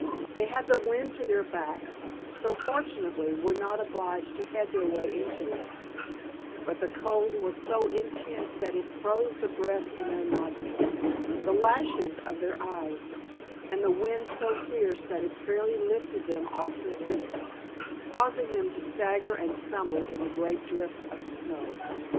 They had the wind to their backs, so fortunately were not obliged to head their way into it, but the cold was so intense that it froze the breath in their nostrils, the lashes of their eyes, and the wind so fierce that it fairly lifted them off their feet, causing them to stagger and stumble in the great drifts of snow.